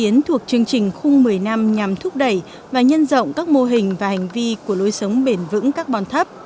sáng kiến thuộc chương trình khung một mươi năm nhằm thúc đẩy và nhân rộng các mô hình và hành vi của lối sống bền vững các bòn thấp